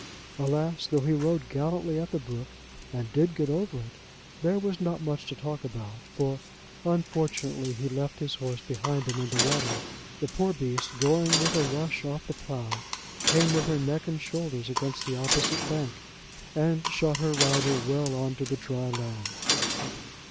Alas, though he rode gallantly at the brook and did get over it, there was not much to talk about; for, unfortunately, he left his horse behind him in the water. The poor beast going with a rush off the plough, came with her neck and shoulders against the opposite bank, and shot his rider well on to the dry land.